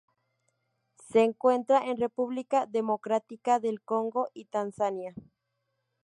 Se encuentra en República Democrática del Congo y Tanzania.